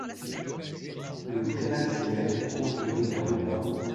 Le prémaxillaire est projeté vers le bas.